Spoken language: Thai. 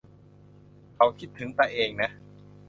เค้าคิดถึงตะเองนะ